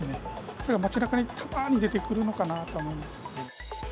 それが街なかにたまに出てくるのかなと思います。